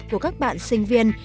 của các bạn sinh viên